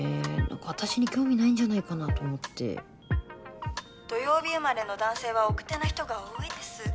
私に興味ないんじゃないかなと思って「土曜日生まれの男性は奥手な人が多いです」